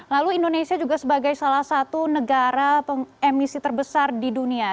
lalu indonesia juga sebagai salah satu negara emisi terbesar di dunia